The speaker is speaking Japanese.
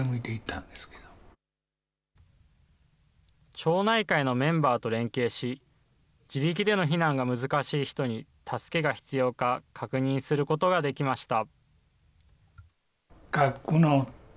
町内会のメンバーと連携し、自力での避難が難しい人に助けが必要か、確認することができました。